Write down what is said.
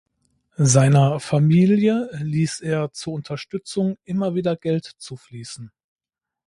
Seiner Familie ließ er zur Unterstützung immer wieder Geld zufließen.